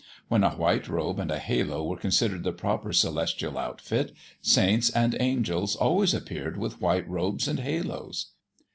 When a white robe and a halo were considered the proper celestial outfit, saints and angels always appeared with white robes and halos.